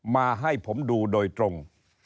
มาให้ผมดูโดยตรง